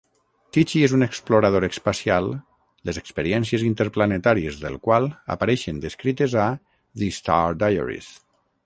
Tichy és un explorador espacial les experiències interplanetàries del qual apareixen descrites a "The Star Diaries".